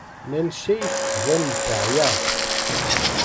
Nancy tettban-d teεya.